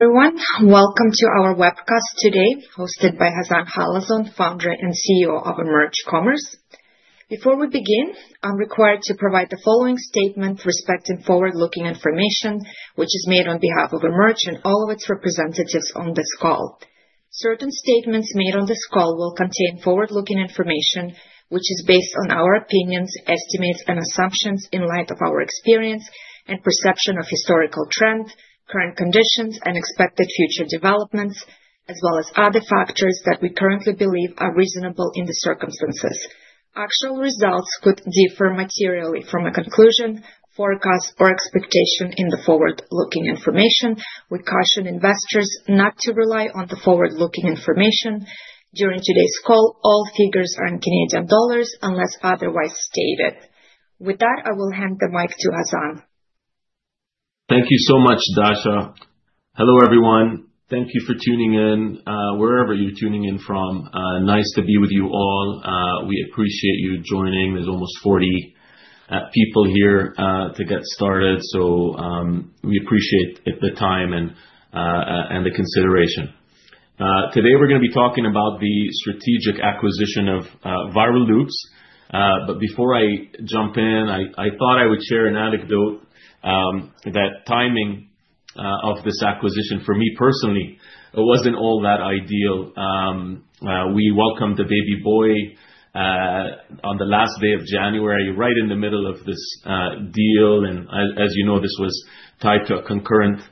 Everyone, welcome to our webcast today, hosted by Ghassan Halazon, Founder and CEO of EMERGE Commerce. Before we begin, I'm required to provide the following statement respecting forward-looking information which is made on behalf of EMERGE and all of its representatives on this call. Certain statements made on this call will contain forward-looking information which is based on our opinions, estimates, and assumptions in light of our experience and perception of historical trends, current conditions, and expected future developments, as well as other factors that we currently believe are reasonable in the circumstances. Actual results could differ materially from a conclusion, forecast, or expectation in the forward-looking information. We caution investors not to rely on the forward-looking information. During today's call, all figures are in Canadian dollars unless otherwise stated. With that, I will hand the mic to Ghassan. Thank you so much, Dasha. Hello, everyone. Thank you for tuning in, wherever you're tuning in from. Nice to be with you all. We appreciate you joining. There's almost 40 people here to get started. We appreciate it, the time and the consideration. Today we're gonna be talking about the strategic acquisition of Viral Loops. Before I jump in, I thought I would share an anecdote, that timing of this acquisition for me personally, it wasn't all that ideal. We welcomed a baby boy on the last day of January, right in the middle of this deal. As you know, this was tied to a concurrent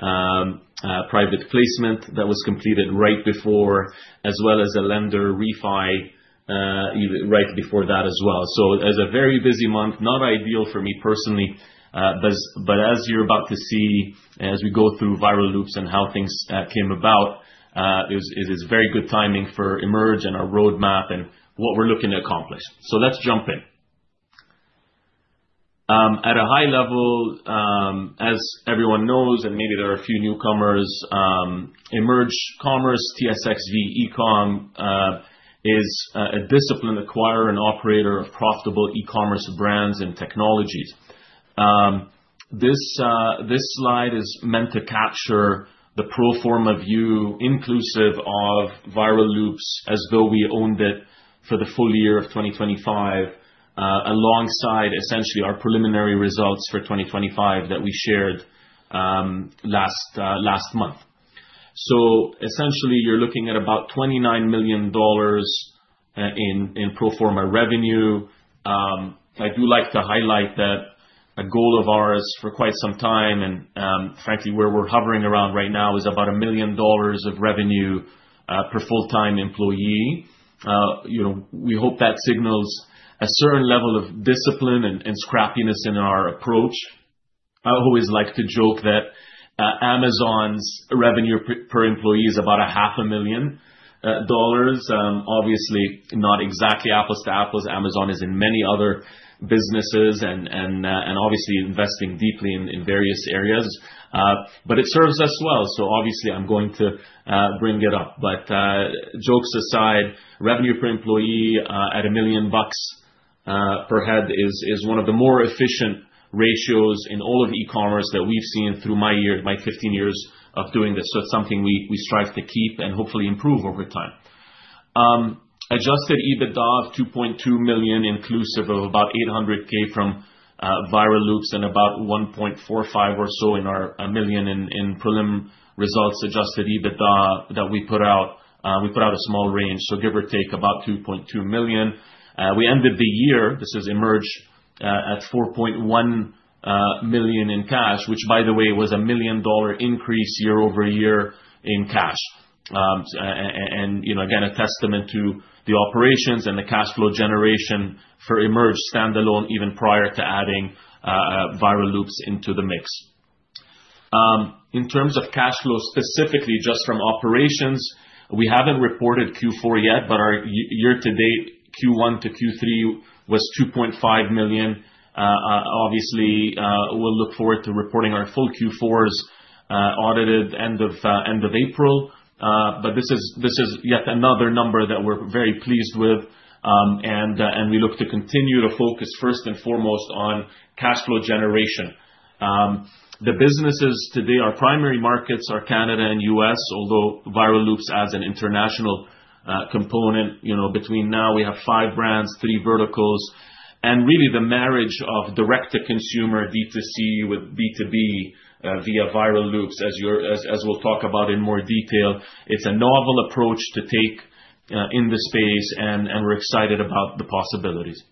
private placement that was completed right before, as well as a lender refi right before that as well. It was a very busy month. Not ideal for me personally. As you're about to see, as we go through Viral Loops and how things came about, it was very good timing for EMERGE and our roadmap and what we're looking to accomplish. Let's jump in. At a high level, as everyone knows, and maybe there are a few newcomers, EMERGE Commerce, TSXV ECOM, is a disciplined acquirer and operator of profitable e-commerce brands and technologies. This slide is meant to capture the pro forma view inclusive of Viral Loops as though we owned it for the full year of 2025, alongside essentially our preliminary results for 2025 that we shared last month. Essentially you're looking at about 29 million dollars in pro forma revenue. I do like to highlight that a goal of ours for quite some time, and frankly, where we're hovering around right now is about 1 million dollars of revenue per full-time employee. You know, we hope that signals a certain level of discipline and scrappiness in our approach. I always like to joke that Amazon's revenue per employee is about 500,000 dollars. Obviously not exactly apples to apples. Amazon is in many other businesses and obviously investing deeply in various areas, but it serves us well. Obviously I'm going to bring it up. Jokes aside, revenue per employee at 1 million bucks per head is one of the more efficient ratios in all of e-commerce that we've seen through my 15 years of doing this. It's something we strive to keep and hopefully improve over time. Adjusted EBITDA of 2.2 million inclusive of about 800,000 from Viral Loops and about 1.45 million or so, 1 million in prelim results Adjusted EBITDA that we put out. We put out a small range, so give or take about 2.2 million. We ended the year, this is EMERGE, at 4.1 million in cash, which by the way was a 1 million dollar increase year-over-year in cash. You know, again, a testament to the operations and the cash flow generation for EMERGE standalone even prior to adding Viral Loops into the mix. In terms of cash flow, specifically just from operations, we haven't reported Q4 yet, but our year to date, Q1 to Q3 was 2.5 million. Obviously, we'll look forward to reporting our full Q4's audited end of April. But this is yet another number that we're very pleased with, and we look to continue to focus first and foremost on cash flow generation. The businesses today, our primary markets are Canada and U.S., although Viral Loops adds an international component. You know, between now we have five brands, three verticals, and really the marriage of direct to consumer, B2C with B2B, via Viral Loops as we'll talk about in more detail. It's a novel approach to take in this space, and we're excited about the possibilities.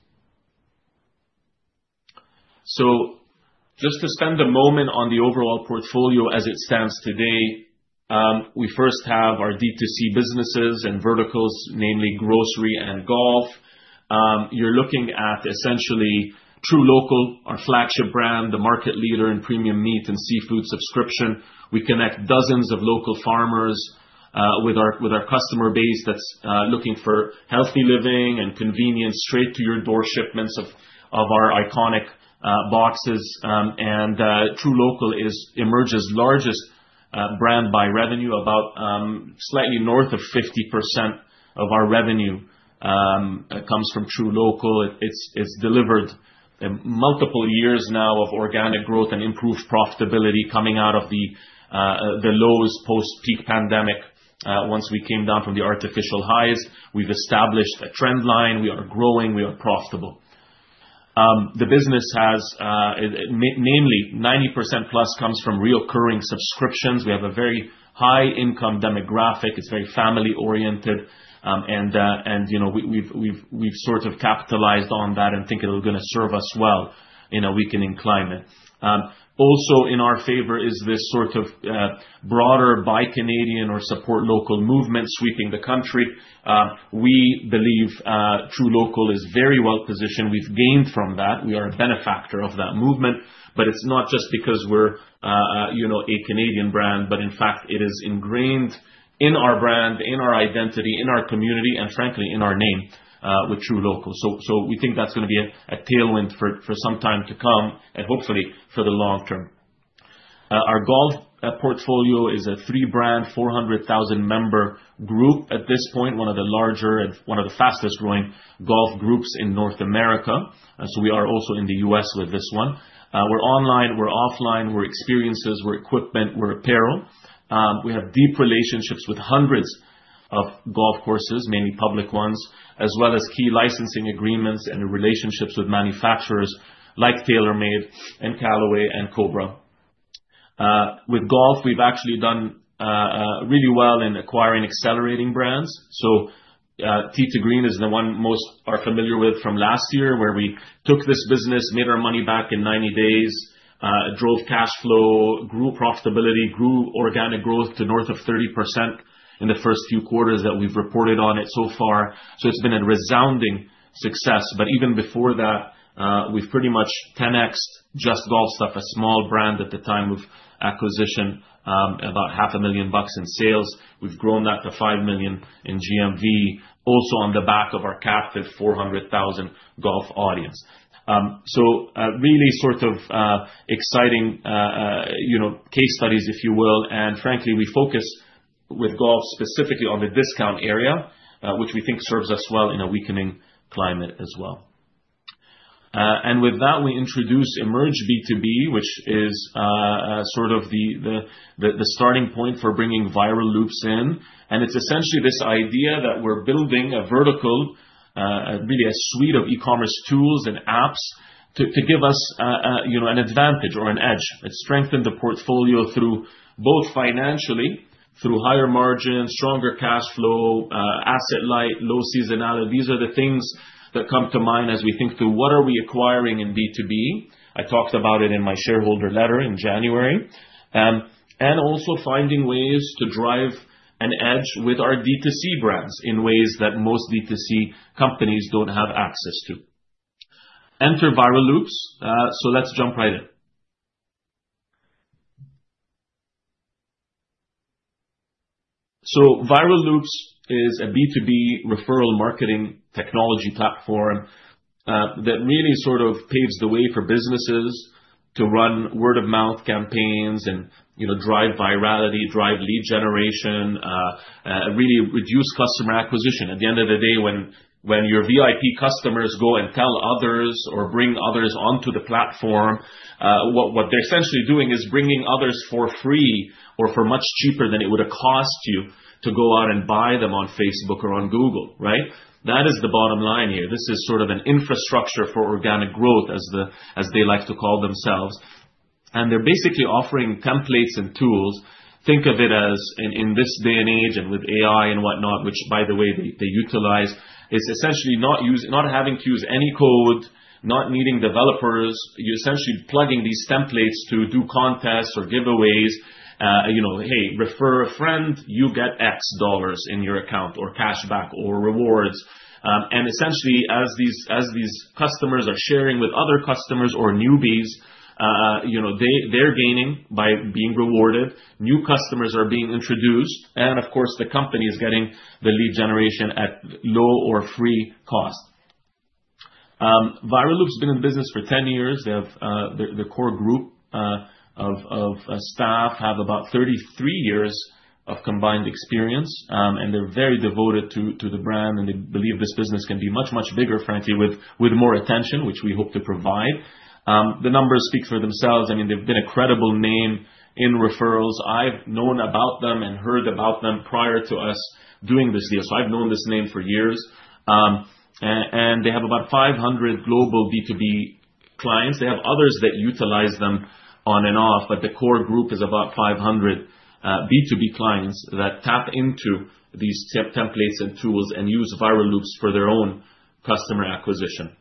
Just to spend a moment on the overall portfolio as it stands today, we first have our B2C businesses and verticals, namely grocery and golf. You're looking at essentially truLOCAL, our flagship brand, the market leader in premium meat and seafood subscription. We connect dozens of local farmers with our customer base that's looking for healthy living and convenience straight to your door shipments of our iconic boxes. truLOCAL is EMERGE's largest brand by revenue. About slightly north of 50% of our revenue comes from truLOCAL. It's delivered multiple years now of organic growth and improved profitability coming out of the lows post-peak pandemic. Once we came down from the artificial highs, we've established a trend line. We are growing, we are profitable. The business has mainly 90%+ comes from recurring subscriptions. We have a very high-income demographic. It's very family-oriented, and, you know, we've sort of capitalized on that and think it was gonna serve us well in a weakening climate. Also in our favor is this sort of broader buy Canadian or support local movement sweeping the country. We believe truLOCAL is very well-positioned. We've gained from that. We are a beneficiary of that movement, but it's not just because we're you know a Canadian brand, but in fact, it is ingrained in our brand, in our identity, in our community and frankly in our name, with truLOCAL. We think that's gonna be a tailwind for some time to come and hopefully for the long term. Our golf portfolio is a three-brand, 400,000-member group at this point, one of the larger and one of the fastest-growing golf groups in North America. We are also in the U.S. with this one. We're online, we're offline, we're experiences, we're equipment, we're apparel. We have deep relationships with hundreds of golf courses, mainly public ones, as well as key licensing agreements and relationships with manufacturers like TaylorMade and Callaway and Cobra. With golf, we've actually done really well in acquiring accelerating brands. Tee 2 Green is the one most are familiar with from last year, where we took this business, made our money back in 90 days, drove cash flow, grew profitability, grew organic growth to north of 30% in the first few quarters that we've reported on it so far. It's been a resounding success. Even before that, we've pretty much 10x'd JustGolfStuff, a small brand at the time of acquisition, about 500,000 bucks in sales. We've grown that to 5 million in GMV, also on the back of our captive 400,000 golf audience. Really sort of, you know, case studies, if you will. Frankly, we focus with golf specifically on the discount area, which we think serves us well in a weakening climate as well. With that, we introduce EMERGE B2B, which is sort of the starting point for bringing Viral Loops in. It's essentially this idea that we're building a vertical, really a suite of e-commerce tools and apps to give us, you know, an advantage or an edge and strengthen the portfolio through both financially, through higher margins, stronger cash flow, asset light, low seasonality. These are the things that come to mind as we think through what are we acquiring in B2B. I talked about it in my shareholder letter in January. Also finding ways to drive an edge with our D2C brands in ways that most D2C companies don't have access to. Enter Viral Loops. Let's jump right in. Viral Loops is a B2B referral marketing technology platform that really sort of paves the way for businesses to run word-of-mouth campaigns and, you know, drive virality, drive lead generation, really reduce customer acquisition. At the end of the day, when your VIP customers go and tell others or bring others onto the platform, what they're essentially doing is bringing others for free or for much cheaper than it would have cost you to go out and buy them on Facebook or on Google, right? That is the bottom line here. This is sort of an infrastructure for organic growth as they like to call themselves. They're basically offering templates and tools. Think of it as in this day and age and with AI and whatnot, which by the way, they utilize, is essentially not having to use any code, not needing developers. You're essentially plugging these templates to do contests or giveaways. You know, "Hey, refer a friend, you get X dollars in your account or cashback or rewards." Essentially as these customers are sharing with other customers or newbies, you know, they're gaining by being rewarded. New customers are being introduced, and of course, the company is getting the lead generation at low or free cost. Viral Loops has been in business for 10 years. They have the core group of staff have about 33 years of combined experience, and they're very devoted to the brand, and they believe this business can be much bigger, frankly, with more attention, which we hope to provide. The numbers speak for themselves. I mean, they've been a credible name in referrals. I've known about them and heard about them prior to us doing this deal. I've known this name for years. They have about 500 global B2B clients. They have others that utilize them on and off, but the core group is about 500 B2B clients that tap into these templates and tools and use Viral Loops for their own customer acquisition.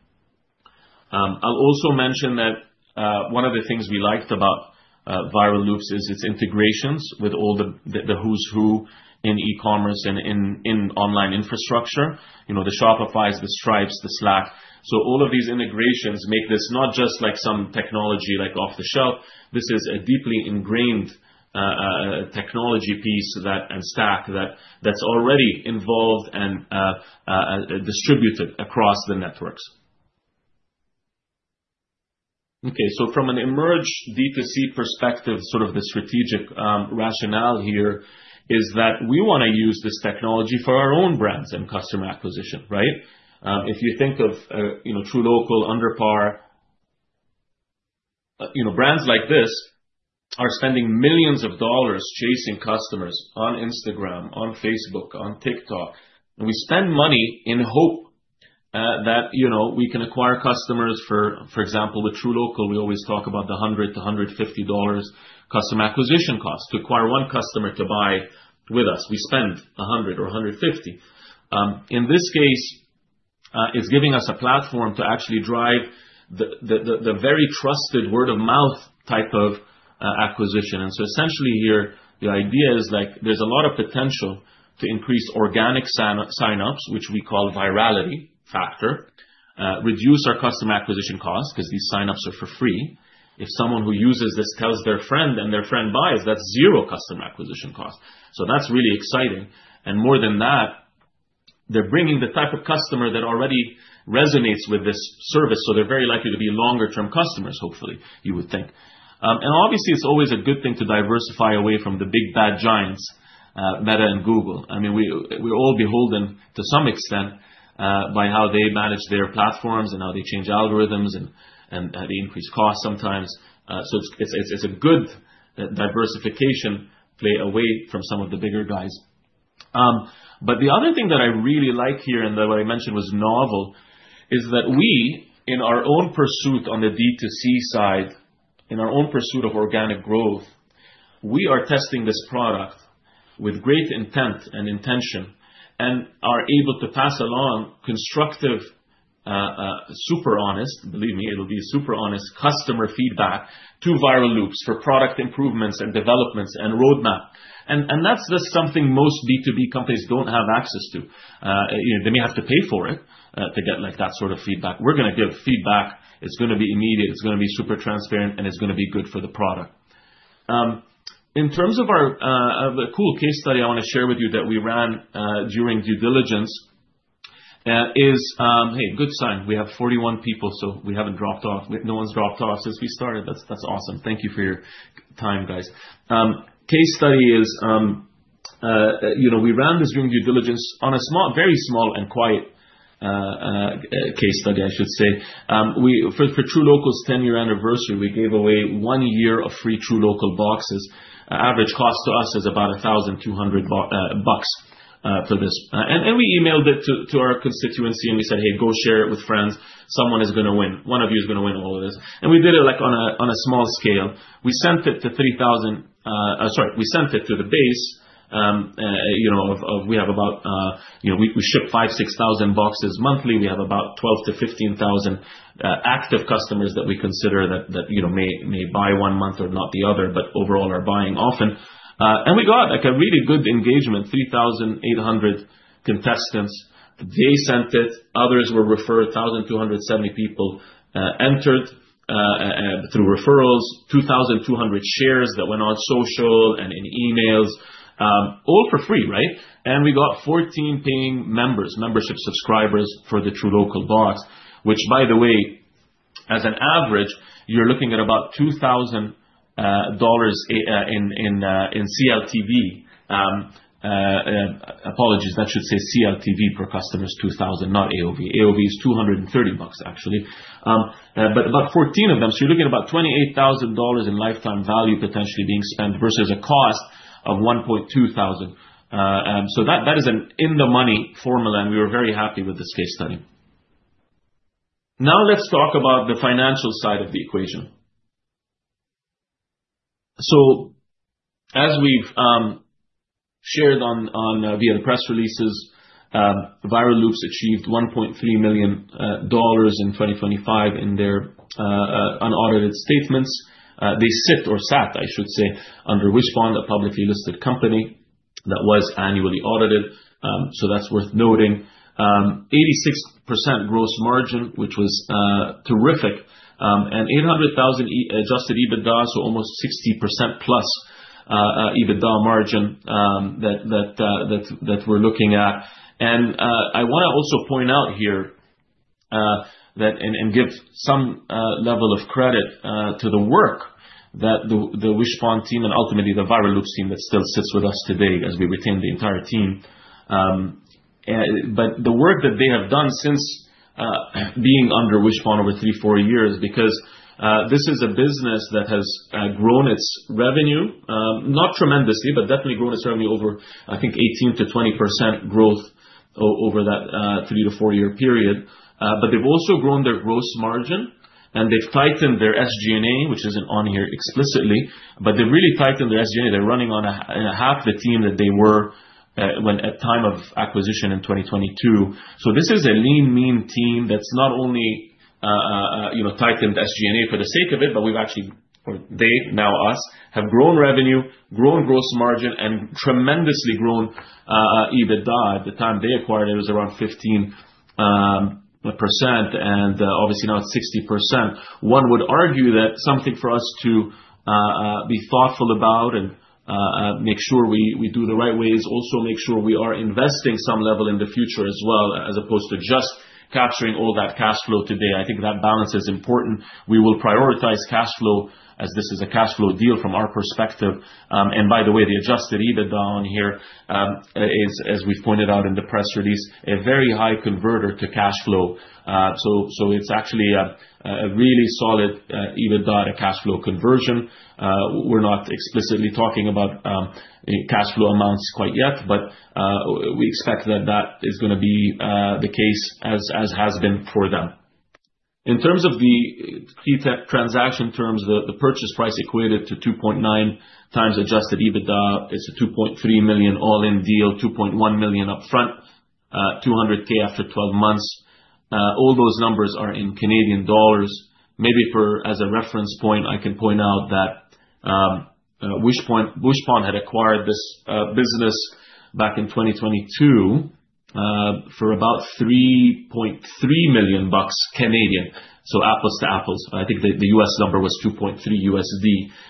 I'll also mention that one of the things we liked about Viral Loops is its integrations with all the who's who in e-commerce and in online infrastructure. You know, the Shopifys, the Stripes, the Slack. All of these integrations make this not just like some technology like off the shelf. This is a deeply ingrained technology piece and stack that's already involved and distributed across the networks. Okay, from an EMERGE D2C perspective, sort of the strategic rationale here is that we wanna use this technology for our own brands and customer acquisition, right? If you think of you know, truLOCAL, UnderPar. You know, brands like this are spending millions of dollars chasing customers on Instagram, on Facebook, on TikTok. We spend money in hope that, you know, we can acquire customers. For example, with truLOCAL, we always talk about the 100-150 dollars customer acquisition cost. To acquire one customer to buy with us, we spend 100 or 150. In this case, it's giving us a platform to actually drive the very trusted word-of-mouth type of acquisition. Essentially here, the idea is, like there's a lot of potential to increase organic sign-ups, which we call virality factor, reduce our customer acquisition costs 'cause these sign-ups are for free. If someone who uses this tells their friend and their friend buys, that's zero customer acquisition cost. That's really exciting. More than that, they're bringing the type of customer that already resonates with this service, so they're very likely to be longer-term customers, hopefully, you would think. Obviously, it's always a good thing to diversify away from the big bad giants, Meta and Google. I mean, we're all beholden to some extent by how they manage their platforms and how they change algorithms and the increased cost sometimes. It's a good diversification play away from some of the bigger guys. The other thing that I really like here, and that what I mentioned was novel, is that we, in our own pursuit on the D2C side, in our own pursuit of organic growth, we are testing this product with great intent and intention and are able to pass along constructive, super honest, believe me, it'll be super honest customer feedback to Viral Loops for product improvements and developments and roadmap. That's just something most B2B companies don't have access to. You know, they may have to pay for it, to get like that sort of feedback. We're gonna give feedback. It's gonna be immediate, it's gonna be super transparent, and it's gonna be good for the product. In terms of a cool case study I wanna share with you that we ran during due diligence is. Hey, good sign. We have 41 people, so we haven't dropped off. No one's dropped off since we started. That's awesome. Thank you for your time, guys. Case study is, you know, we ran this during due diligence on a small, very small and quiet case study, I should say. For truLOCAL's 10-year anniversary, we gave away one year of free truLOCAL boxes. Average cost to us is about 1,200 bucks for this. We emailed it to our constituency, and we said, "Hey, go share it with friends. Someone is gonna win. One of you is gonna win all of this." We did it like on a small scale. We sent it to the base. You know we have about you know we ship 5,000-6,000 boxes monthly. We have about 12,000-15,000 active customers that we consider that you know may buy one month or not the other, but overall are buying often. We got like a really good engagement, 3,800 contestants. They sent it. Others were referred. 1,270 people entered through referrals. 2,200 shares that went on social and in emails, all for free, right? We got 14 paying members, membership subscribers for the truLOCAL box, which by the way, as an average, you're looking at about 2,000 dollars in CLTV. Apologies. That should say CLTV per customer is 2,000, not AOV. AOV is 230 bucks actually. About 14 of them. You're looking at about 28,000 dollars in lifetime value potentially being spent versus a cost of 1,200. That is an in the money formula, and we are very happy with this case study. Now let's talk about the financial side of the equation. As we've shared via the press releases, Viral Loops achieved 1.3 million dollars in 2025 in their unaudited statements. They sit or sat, I should say, under Wishpond, a publicly listed company that was annually audited. That's worth noting. 86% gross margin, which was terrific. 800,000 Adjusted EBITDA, so almost 60%+ EBITDA margin that we're looking at. I wanna also point out here that and give some level of credit to the work that the Wishpond team and ultimately the Viral Loops team that still sits with us today as we retain the entire team. The work that they have done since being under Wishpond over three, four years because this is a business that has grown its revenue, not tremendously, but definitely grown its revenue over, I think 18%-20% growth over that three to four-year period. They've also grown their gross margin, and they've tightened their SG&A, which isn't on here explicitly, but they've really tightened their SG&A. They're running on half the team that they were when at time of acquisition in 2022. This is a lean, mean team that's not only, you know, tightened SG&A for the sake of it, but we've actually, or they, now us, have grown revenue, grown gross margin, and tremendously grown EBITDA. At the time they acquired, it was around 15%, and obviously now it's 60%. One would argue that something for us to be thoughtful about and make sure we do the right way is also make sure we are investing some level in the future as well, as opposed to just capturing all that cash flow today. I think that balance is important. We will prioritize cash flow as this is a cash flow deal from our perspective. By the way, the Adjusted EBITDA on here is, as we pointed out in the press release, a very high converter to cash flow. It's actually a really solid EBITDA to cash flow conversion. We're not explicitly talking about cash flow amounts quite yet, but we expect that is gonna be the case as has been for them. In terms of the TTEC transaction terms, the purchase price equated to 2.9x Adjusted EBITDA. It's a 2.3 million all-in deal, 2.1 million upfront, 200k after 12 months. All those numbers are in Canadian dollars. Maybe as a reference point, I can point out that Wishpond had acquired this business back in 2022 for about 3.3 million bucks. Apples to apples. I think the U.S. number was $2.3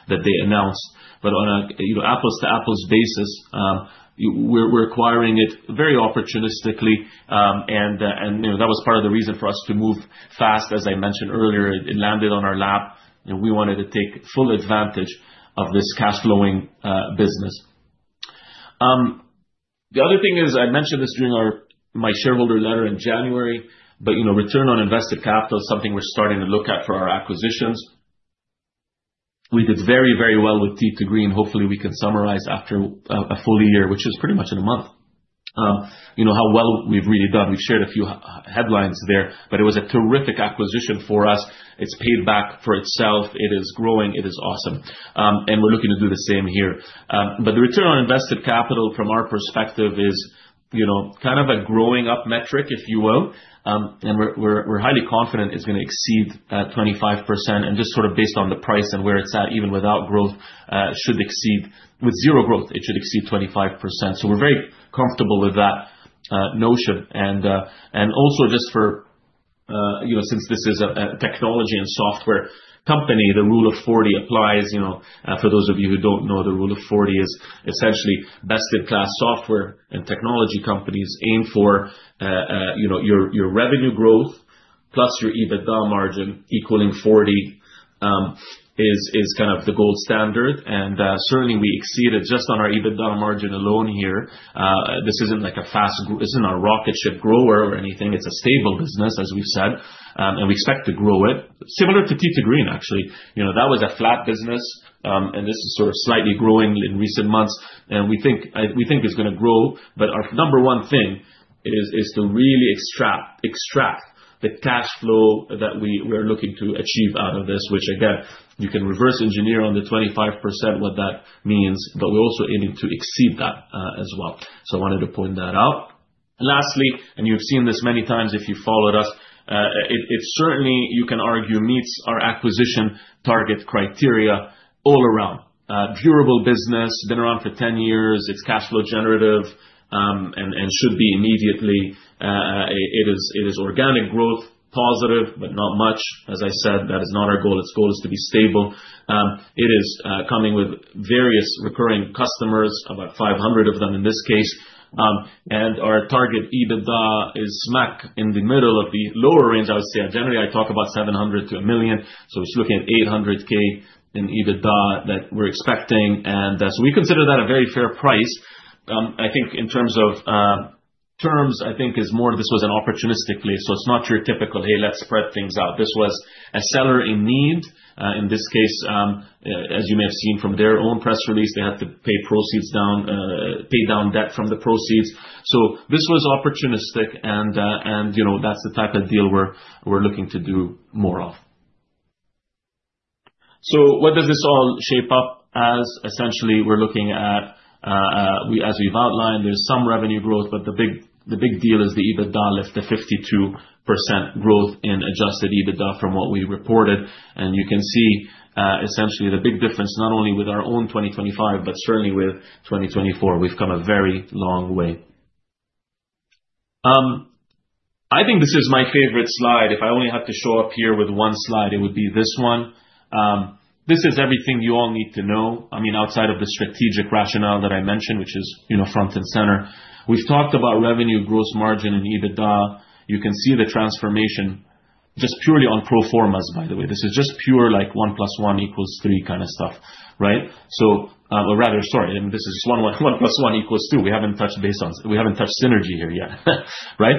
that they announced. On a, you know, apples-to-apples basis, we're acquiring it very opportunistically. You know, that was part of the reason for us to move fast. As I mentioned earlier, it landed on our lap, and we wanted to take full advantage of this cash flowing business. The other thing is, I mentioned this during my shareholder letter in January, but you know, return on invested capital is something we're starting to look at for our acquisitions. We did very well with Tee 2 Green. Hopefully we can summarize after a full year, which is pretty much in a month, you know, how well we've really done. We've shared a few headlines there, but it was a terrific acquisition for us. It's paid back for itself. It is growing. It is awesome. We're looking to do the same here. The return on invested capital from our perspective is, you know, kind of a growing up metric, if you will. We're highly confident it's gonna exceed 25%. Just sort of based on the price and where it's at, even without growth, should exceed with zero growth, it should exceed 25%. We're very comfortable with that notion. Also just for, you know, since this is a technology and software company, the Rule of 40 applies. You know, for those of you who don't know, the Rule of 40 is essentially best in class software and technology companies aim for, you know, your revenue growth plus your EBITDA margin equaling 40 is kind of the gold standard. Certainly we exceeded just on our EBITDA margin alone here. This isn't a rocket ship grower or anything. It's a stable business, as we've said. We expect to grow it. Similar to Tee 2 Green, actually. You know, that was a flat business, and this is sort of slightly growing in recent months. We think it's gonna grow. Our number one thing is to really extract the cash flow that we're looking to achieve out of this. Which again, you can reverse engineer on the 25% what that means, but we're also aiming to exceed that, as well. I wanted to point that out. Lastly, you've seen this many times, if you've followed us, it certainly, you can argue, meets our acquisition target criteria all around. Durable business. Been around for 10 years. It's cash flow generative and should be immediately. It is organic growth positive, but not much. As I said, that is not our goal. Its goal is to be stable. It is coming with various recurring customers, about 500 of them in this case. Our target EBITDA is smack in the middle of the lower range, I would say. Generally, I talk about 700,000 to 1 million, so it's looking at 800,000 in EBITDA that we're expecting. We consider that a very fair price. I think in terms of terms, this was more opportunistic. It's not your typical, "Hey, let's spread things out." This was a seller in need. In this case, as you may have seen from their own press release, they had to pay down debt from the proceeds. This was opportunistic and, you know, that's the type of deal we're looking to do more of. What does this all shape up as? Essentially, we're looking at, as we've outlined, there's some revenue growth, but the big deal is the EBITDA lift, the 52% growth in Adjusted EBITDA from what we reported. You can see essentially the big difference, not only with our own 2025, but certainly with 2024. We've come a very long way. I think this is my favorite slide. If I only had to show up here with one slide, it would be this one. This is everything you all need to know. I mean, outside of the strategic rationale that I mentioned, which is, you know, front and center. We've talked about revenue, gross margin and EBITDA. You can see the transformation just purely on pro formas, by the way. This is just pure like one plus one equals three kind of stuff, right? Or rather, sorry, and this is one plus one equals two. We haven't touched synergy here yet, right?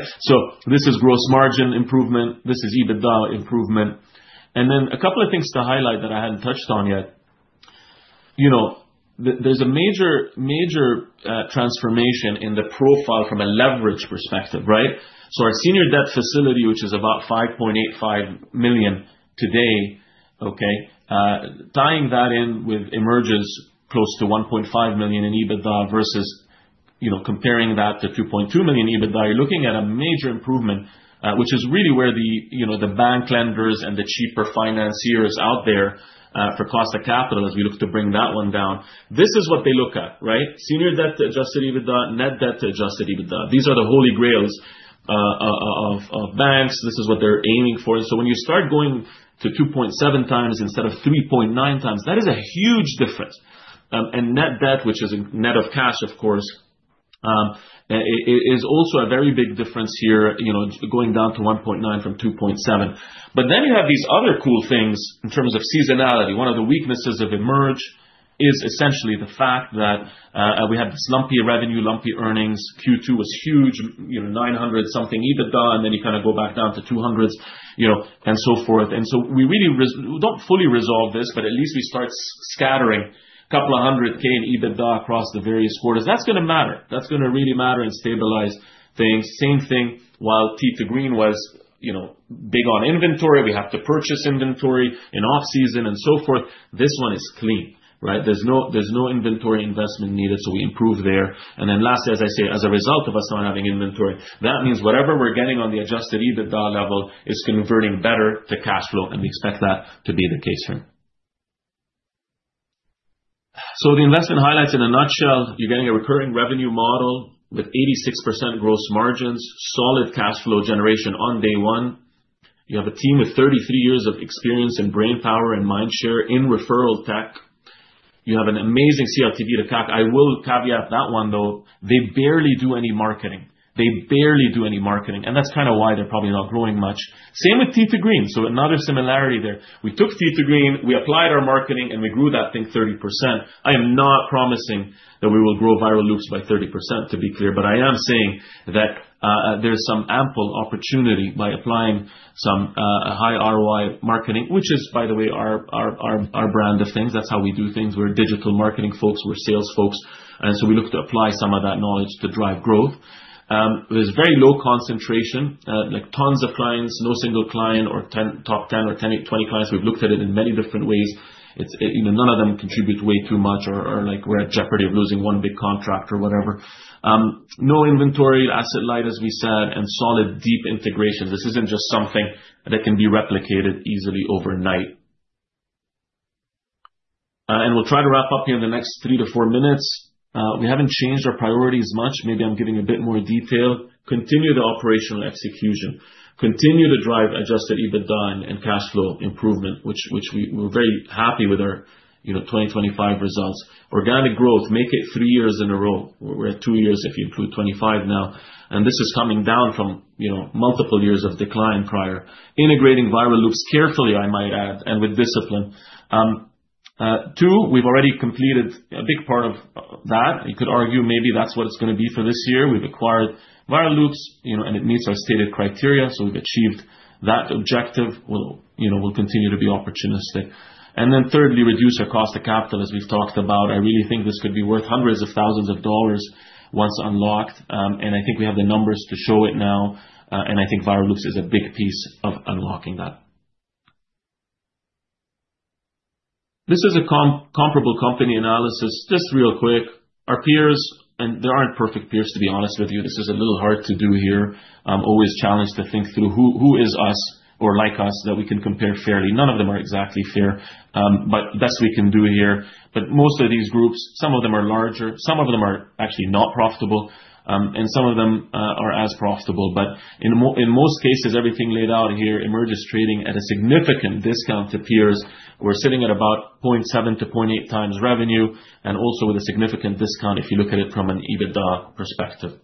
This is gross margin improvement. This is EBITDA improvement. Then a couple of things to highlight that I hadn't touched on yet. You know, there's a major transformation in the profile from a leverage perspective, right? Our senior debt facility, which is about 5.85 million today, okay? Tying that in with EMERGE's close to 1.5 million in EBITDA versus, you know, comparing that to 2.2 million EBITDA, you're looking at a major improvement, which is really where the, you know, the bank lenders and the cheaper financiers out there, for cost of capital as we look to bring that one down. This is what they look at, right? Senior debt to Adjusted EBITDA, net debt to Adjusted EBITDA. These are the holy grails of banks. This is what they're aiming for. When you start going to 2.7x instead of 3.9x, that is a huge difference. And net debt, which is a net of cash, of course, is also a very big difference here, you know, going down to 1.9x from 2.7x. you have these other cool things in terms of seasonality. One of the weaknesses of EMERGE is essentially the fact that, we had this lumpy revenue, lumpy earnings. Q2 was huge, you know, 900-something EBITDA, and then you kind of go back down to CAD 200s, you know, and so forth. We really don't fully resolve this, but at least we start scattering a couple of 100,00 in EBITDA across the various quarters. That's gonna matter. That's gonna really matter and stabilize. The same thing while Tee 2 Green was, you know, big on inventory. We have to purchase inventory in off-season and so forth. This one is clean, right? There's no inventory investment needed, so we improve there. Then lastly, as I say, as a result of us not having inventory, that means whatever we're getting on the Adjusted EBITDA level is converting better to cash flow, and we expect that to be the case here. The investment highlights in a nutshell, you're getting a recurring revenue model with 86% gross margins, solid cash flow generation on day one. You have a team with 33 years of experience and brainpower and mindshare in referral tech. You have an amazing CLTV to CAC. I will caveat that one, though. They barely do any marketing. That's kinda why they're probably not growing much. Same with Tee 2 Green. Another similarity there. We took Tee 2 Green, we applied our marketing, and we grew that thing 30%. I am not promising that we will grow Viral Loops by 30%, to be clear, but I am saying that there's some ample opportunity by applying some high ROI marketing, which is by the way, our brand of things. That's how we do things. We're digital marketing folks. We're sales folks. We look to apply some of that knowledge to drive growth. There's very low concentration, like tons of clients. No single client or top 10 or 10, 20 clients. We've looked at it in many different ways. You know, none of them contribute way too much or like we're at jeopardy of losing one big contract or whatever. No inventory, asset light as we said, and solid deep integration. This isn't just something that can be replicated easily overnight. We'll try to wrap up here in the next three to four minutes. We haven't changed our priorities much. Maybe I'm giving a bit more detail. Continue the operational execution. Continue to drive Adjusted EBITDA and cash flow improvement, which we're very happy with our, you know, 2025 results. Organic growth, make it three years in a row. We're at two years if you include 2025 now. This is coming down from, you know, multiple years of decline prior. Integrating Viral Loops carefully, I might add, and with discipline. Two, we've already completed a big part of that. You could argue maybe that's what it's gonna be for this year. We've acquired Viral Loops, you know, and it meets our stated criteria, so we've achieved that objective. We'll, you know, continue to be opportunistic. Then thirdly, reduce our cost of capital, as we've talked about. I really think this could be worth hundreds of thousands of dollars once unlocked. I think we have the numbers to show it now. I think Viral Loops is a big piece of unlocking that. This is a comparable company analysis. Just real quick. Our peers, and there aren't perfect peers, to be honest with you. This is a little hard to do here. Always challenged to think through who is us or like us that we can compare fairly. None of them are exactly fair, but best we can do here. Most of these groups, some of them are larger, some of them are actually not profitable, and some of them are as profitable. In most cases, everything laid out here, EMERGE is trading at a significant discount to peers. We're sitting at about 0.7x-0.8x revenue and also with a significant discount if you look at it from an EBITDA perspective.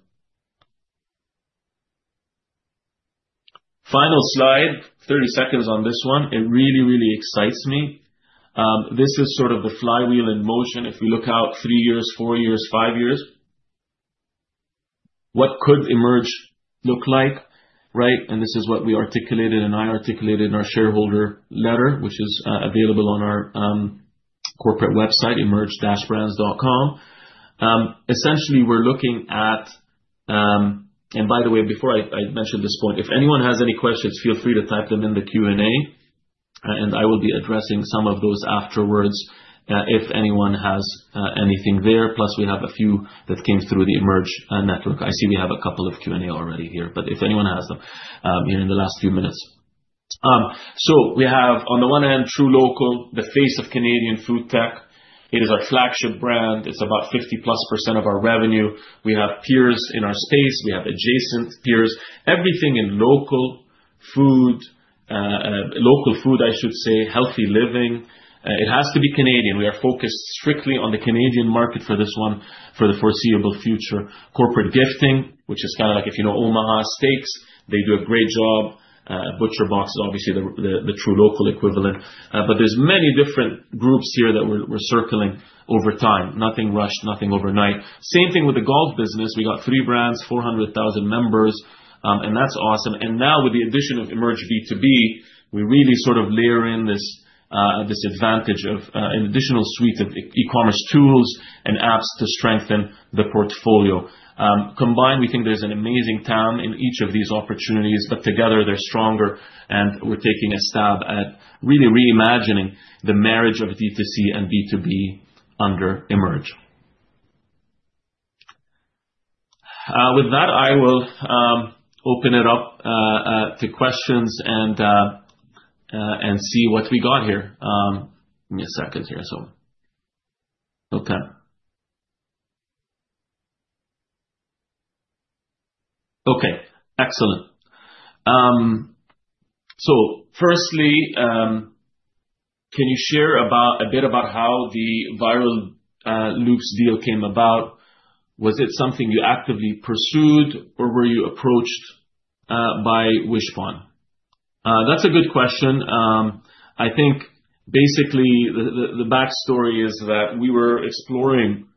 Final slide. 30 seconds on this one. It really excites me. This is sort of the flywheel in motion. If we look out three years, four years, five years. What could EMERGE look like, right? This is what we articulated, and I articulated in our shareholder letter, which is available on our corporate website, emerge-commerce.com. Essentially, we're looking at. By the way, before I mention this point. If anyone has any questions, feel free to type them in the Q&A, and I will be addressing some of those afterwards, if anyone has, anything there. Plus, we have a few that came through the EMERGE, network. I see we have a couple of Q&A already here, but if anyone has them, in the last few minutes. We have on the one end truLOCAL, the face of Canadian food tech. It is our flagship brand. It's about 50%+ of our revenue. We have peers in our space. We have adjacent peers. Everything in local food, I should say, healthy living. It has to be Canadian. We are focused strictly on the Canadian market for this one for the foreseeable future. Corporate gifting, which is kinda like if you know Omaha Steaks, they do a great job. ButcherBox is obviously the truLOCAL equivalent. But there's many different groups here that we're circling over time. Nothing rushed, nothing overnight. Same thing with the golf business. We got three brands, 400,000 members, and that's awesome. Now with the addition of EMERGE B2B, we really sort of layer in this advantage of an additional suite of e-commerce tools and apps to strengthen the portfolio. Combined, we think there's an amazing TAM in each of these opportunities, but together they're stronger, and we're taking a stab at really reimagining the marriage of D2C and B2B under EMERGE. With that, I will open it up to questions and see what we got here. Give me a second here. Okay. Okay, excellent. Firstly, can you share a bit about how the Viral Loops deal came about? Was it something you actively pursued, or were you approached by Wishpond? That's a good question. I think basically the backstory is that we were exploring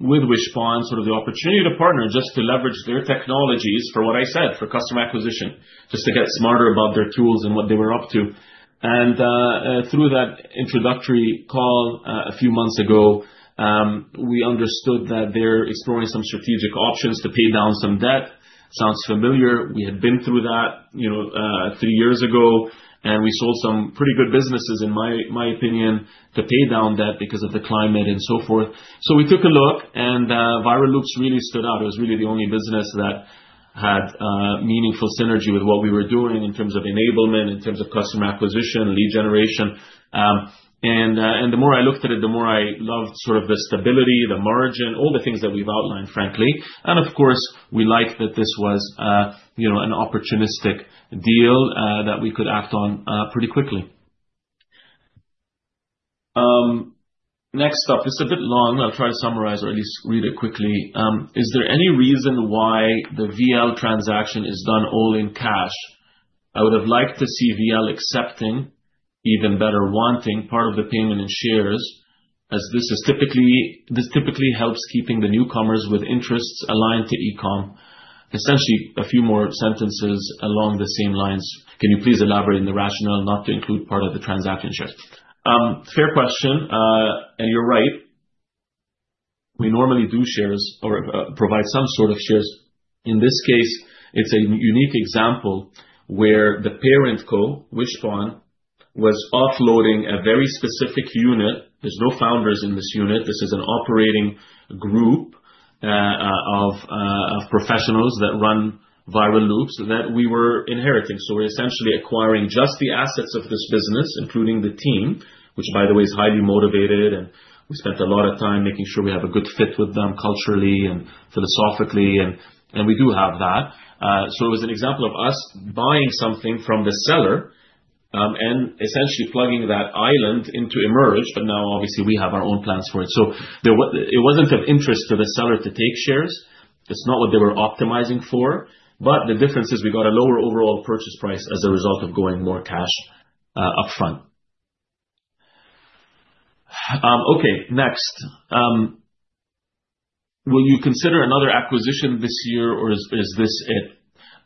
with Wishpond, sort of the opportunity to partner just to leverage their technologies for what I said, for customer acquisition, just to get smarter about their tools and what they were up to. Through that introductory call a few months ago, we understood that they're exploring some strategic options to pay down some debt. Sounds familiar. We had been through that, you know, three years ago, and we saw some pretty good businesses, in my opinion, to pay down debt because of the climate and so forth. We took a look and Viral Loops really stood out. It was really the only business that had meaningful synergy with what we were doing in terms of enablement, in terms of customer acquisition, lead generation. The more I looked at it, the more I loved sort of the stability, the margin, all the things that we've outlined, frankly. Of course, we like that this was, you know, an opportunistic deal that we could act on pretty quickly. Next up. It's a bit long. I'll try to summarize or at least read it quickly. Is there any reason why the VL transaction is done all in cash? I would have liked to see VL accepting, even better wanting part of the payment in shares, as this typically helps keeping the newcomers with interests aligned to ECOM. Essentially a few more sentences along the same lines. Can you please elaborate on the rationale not to include part of the transaction shares? Fair question. You're right. We normally do shares or provide some sort of shares. In this case, it's a unique example where the parent co, Wishpond, was offloading a very specific unit. There's no founders in this unit. This is an operating group of professionals that run Viral Loops that we were inheriting. We're essentially acquiring just the assets of this business, including the team, which by the way, is highly motivated, and we spent a lot of time making sure we have a good fit with them culturally and philosophically, and we do have that. It was an example of us buying something from the seller, and essentially plugging that island into EMERGE. Now obviously we have our own plans for it. It wasn't of interest to the seller to take shares. It's not what they were optimizing for, but the difference is we got a lower overall purchase price as a result of going more cash upfront. Okay, next. Will you consider another acquisition this year, or is this it?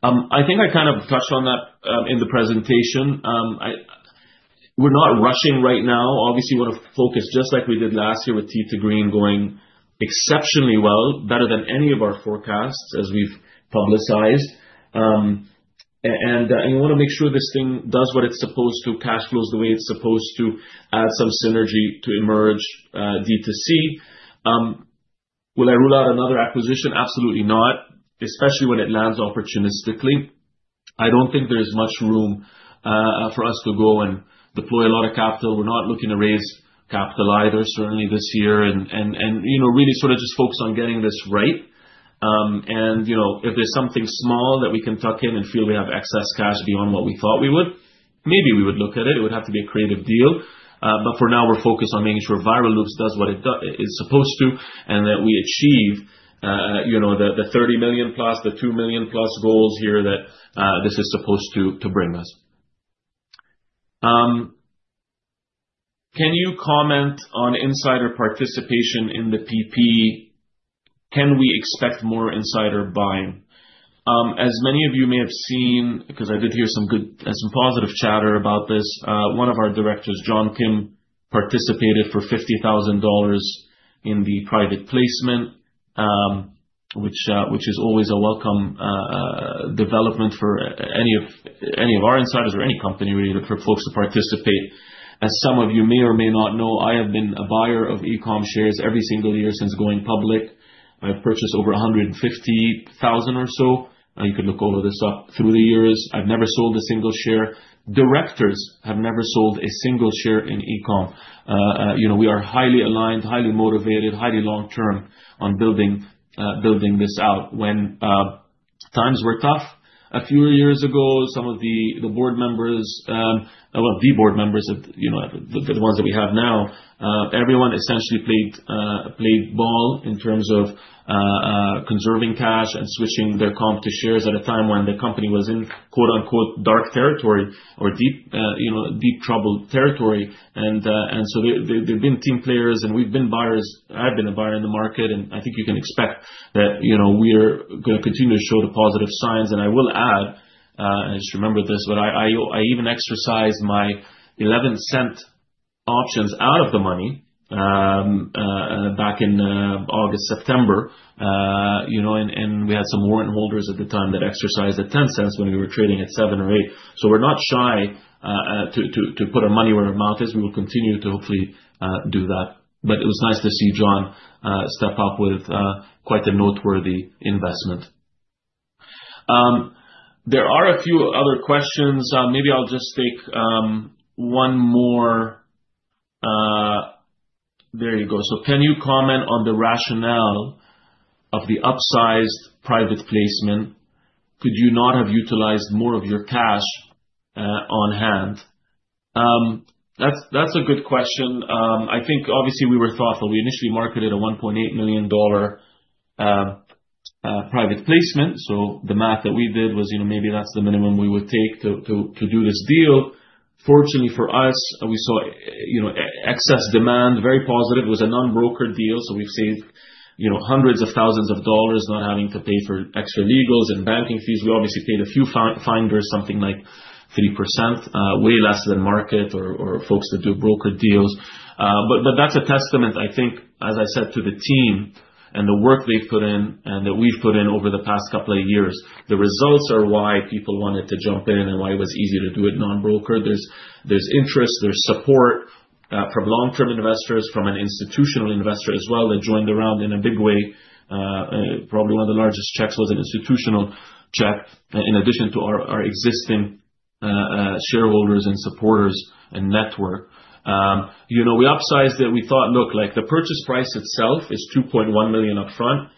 I think I kind of touched on that in the presentation. We're not rushing right now. Obviously we want to focus, just like we did last year with Tee 2 Green, going exceptionally well, better than any of our forecasts as we've publicized. We want to make sure this thing does what it's supposed to, cash flows the way it's supposed to, add some synergy to EMERGE D2C. Will I rule out another acquisition? Absolutely not, especially when it lands opportunistically. I don't think there's much room for us to go and deploy a lot of capital. We're not looking to raise capital either, certainly this year. You know, really sort of just focus on getting this right. You know, if there's something small that we can tuck in and feel we have excess cash beyond what we thought we would, maybe we would look at it. It would have to be a creative deal. For now we're focused on making sure Viral Loops does what it's supposed to, and that we achieve, you know, the 30 million+, the 2 million+ goals here that this is supposed to bring us. Can you comment on insider participation in the PP? Can we expect more insider buying? As many of you may have seen, because I did hear some good, some positive chatter about this, one of our directors, John Kim, participated for 50,000 dollars in the private placement, which is always a welcome development for any of our insiders or any company, really, for folks to participate. As some of you may or may not know, I have been a buyer of ECOM shares every single year since going public. I purchased over 150,000 or so. You can look all of this up through the years. I've never sold a single share. Directors have never sold a single share in ECOM. You know, we are highly aligned, highly motivated, highly long-term on building this out. When times were tough a few years ago, some of the board members, the ones that we have now, everyone essentially played ball in terms of conserving cash and switching their comp to shares at a time when the company was in quote-unquote "dark territory" or deeply troubled territory. They've been team players and we've been buyers. I've been a buyer in the market, and I think you can expect that, you know, we're gonna continue to show the positive signs. I will add, I just remembered this, but I even exercised my 0.11 options out of the money back in August, September. You know, and we had some warrant holders at the time that exercised at 0.10 when we were trading at 0.07 or 0.08. We're not shy to put our money where our mouth is. We will continue to hopefully do that. It was nice to see John step up with quite the noteworthy investment. There are a few other questions. Maybe I'll just take one more. There you go. Can you comment on the rationale of the upsized private placement? Could you not have utilized more of your cash on hand? That's a good question. I think obviously we were thoughtful. We initially marketed a 1.8 million dollar private placement. The math that we did was, you know, maybe that's the minimum we would take to do this deal. Fortunately for us, we saw, you know, excess demand, very positive. It was a non-broker deal, so we've saved, you know, hundreds of thousands of CAD not having to pay for extra legals and banking fees. We obviously paid a few finders something like 3%, way less than market or folks that do broker deals. That's a testament, I think, as I said to the team and the work they've put in and that we've put in over the past couple of years. The results are why people wanted to jump in and why it was easy to do it non-broker. There's interest, there's support from long-term investors, from an institutional investor as well, that joined the round in a big way. Probably one of the largest checks was an institutional check in addition to our existing shareholders and supporters and network. You know, we upsized it. We thought, look, like the purchase price itself is 2.1 million upfront.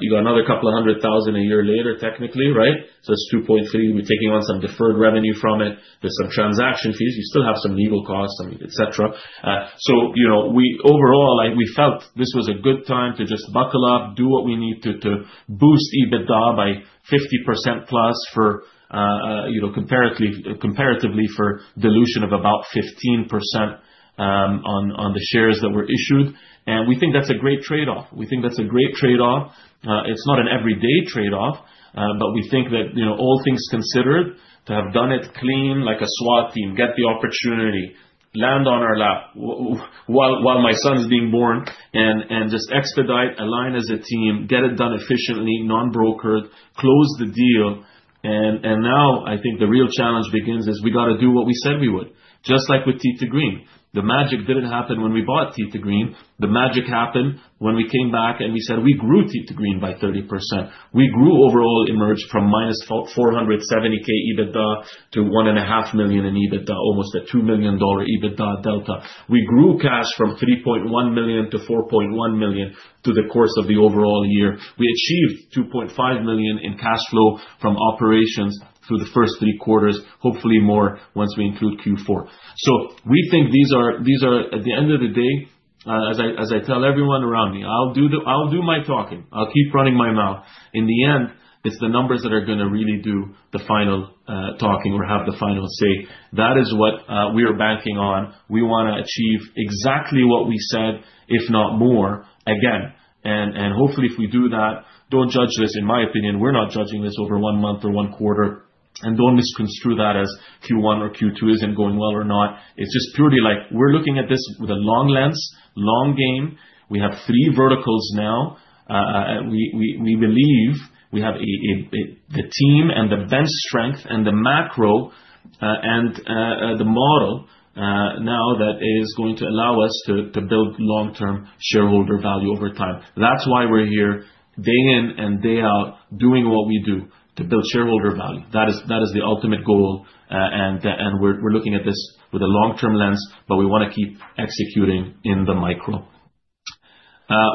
You got another 200,000 a year later, technically, right? It's 2.3 million. We're taking on some deferred revenue from it. There's some transaction fees. You still have some legal costs, some et cetera. You know, overall, like we felt this was a good time to just buckle up, do what we need to boost EBITDA by 50%+ for, you know, comparatively for dilution of about 15% on the shares that were issued. We think that's a great trade-off. We think that's a great trade-off. It's not an everyday trade-off, but we think that, you know, all things considered, to have done it clean, like a SWAT team, get the opportunity, land on our lap while my son is being born, and just expedite, align as a team, get it done efficiently, non-brokered, close the deal. Now I think the real challenge begins is we got to do what we said we would. Just like with Tee 2 Green. The magic didn't happen when we bought Tee 2 Green. The magic happened when we came back, and we said we grew Tee 2 Green by 30%. We grew overall, EMERGE from -470K EBITDA to 1.5 million in EBITDA, almost a 2 million dollar EBITDA delta. We grew cash from 3.1 million to 4.1 million through the course of the overall year. We achieved 2.5 million in cash flow from operations through the first three quarters, hopefully more once we include Q4. We think these are at the end of the day, as I tell everyone around me, I'll do my talking. I'll keep running my mouth. In the end, it's the numbers that are gonna really do the final talking or have the final say. That is what we are banking on. We wanna achieve exactly what we said, if not more, again. Hopefully, if we do that, don't judge this in my opinion. We're not judging this over one month or one quarter. Don't misconstrue that as Q1 or Q2 isn't going well or not. It's just purely like we're looking at this with a long lens, long game. We have three verticals now. We believe we have the team and the bench strength and the macro, and the model now that is going to allow us to build long-term shareholder value over time. That's why we're here day in and day out, doing what we do to build shareholder value. That is the ultimate goal. We're looking at this with a long-term lens, but we wanna keep executing in the micro.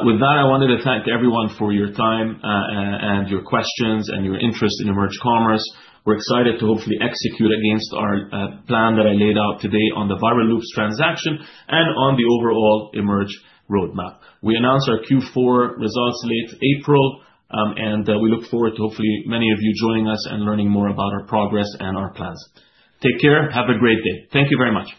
With that, I wanted to thank everyone for your time, and your questions and your interest in EMERGE Commerce. We're excited to hopefully execute against our plan that I laid out today on the Viral Loops transaction and on the overall EMERGE roadmap. We announce our Q4 results late April, and we look forward to hopefully many of you joining us and learning more about our progress and our plans. Take care. Have a great day. Thank you very much.